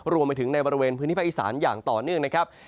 รวมไปถึงในบริเวณพื้นที่ภาคอีสานอย่างต่อเนื่องนะครับ